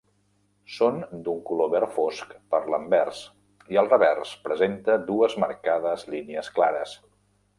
Són d'un color verd fosc per l'anvers i el revers presenta dues marcades línies clares.